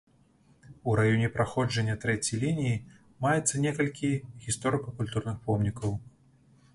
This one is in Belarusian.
У раёне праходжання трэцяй лініі маецца некалькі гісторыка-культурных помнікаў.